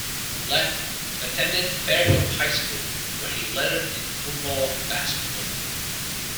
Lett attended Fairhope High School where he lettered in football and basketball.